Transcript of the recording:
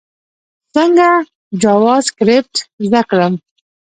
څنګه جاواسکريپټ زده کړم؟